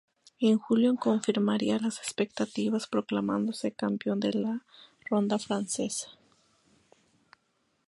En julio confirmaría las expectativas proclamándose campeón de la ronda francesa.